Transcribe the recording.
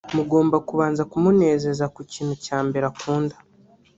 mugomba kubanza ku munezeza ku kintu cya mbere akunda